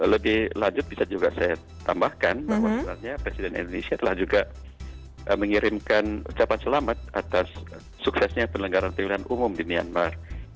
lebih lanjut bisa juga saya tambahkan bahwa sebenarnya presiden indonesia telah juga mengirimkan ucapan selamat atas suksesnya penelenggaran pilihan umum di myanmar